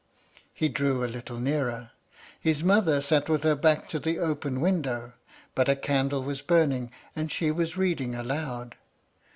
He drew a little nearer. His mother sat with her back to the open window, but a candle was burning, and she was reading aloud.